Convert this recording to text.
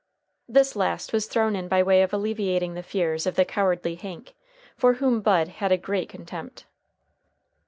This last was thrown in by way of alleviating the fears of the cowardly Hank, for whom Bud had a great contempt.